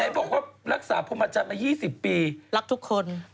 พี่บอกว่ารักษาผมมาจากประจำ๒๐ปีรักทุกคน